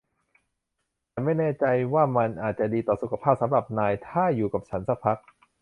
ฉันไม่แน่ใจว่ามันอาจจะดีต่อสุขภาพสำหรับนายถ้าอยู่กับฉันสักพัก